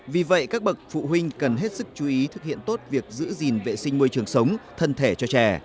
vì vậy các bậc phụ huynh cần hết sức chú ý thực hiện tốt việc giữ gìn vệ sinh môi trường sống thân thể cho trẻ